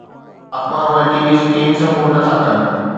اخبارون ۽ T V screen support نٿا ڪن